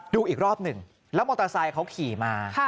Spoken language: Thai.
ดูอีกรอบหนึ่งแล้วมอเตอร์ไซค์เขาขี่มา